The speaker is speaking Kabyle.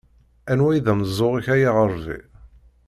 Anwa i d ameẓẓuɣ-ik ay aɣerbi.